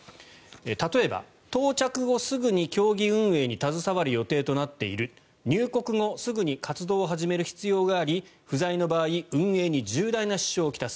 例えば、到着後すぐに競技運営に携わる予定となっている入国後すぐに活動を始める必要があり不在の場合、運営に重大な支障を来す。